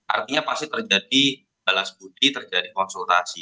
artinya pasti terjadi balas budi terjadi konsultasi